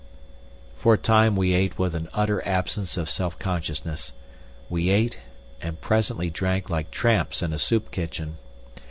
For a time we ate with an utter absence of self consciousness. We ate and presently drank like tramps in a soup kitchen.